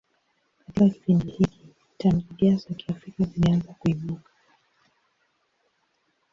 Katika kipindi hiki, tamthilia za Kiafrika zilianza kuibuka.